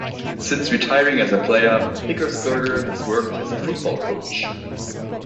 Since retiring as a player, Hickersberger has worked as a football coach.